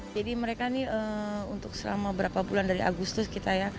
jadi mereka untuk selama berapa bulan dari agustus kita